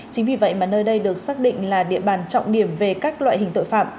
chính vì vậy mà nơi đây được xác định là địa bàn trọng điểm về các loại hình tội phạm